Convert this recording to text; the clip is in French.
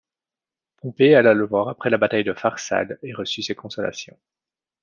Pompée alla le voir après la bataille de Pharsale, et reçut ses consolations.